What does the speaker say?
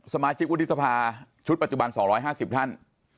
สมาชิกวุฒิสภาชุดปัจจุบัน๒๕๐ท่าน